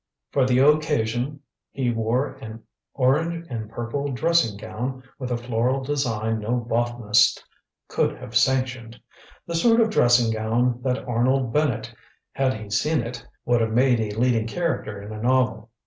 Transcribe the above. For the occasion he wore an orange and purple dressing gown with a floral design no botanist could have sanctioned the sort of dressing gown that Arnold Bennett, had he seen it, would have made a leading character in a novel.